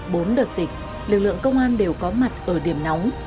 bốn đợt dịch lực lượng công an đều có mặt ở điểm nóng